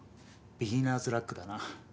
ビギナーズラックだな。